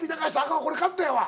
これカットやわ。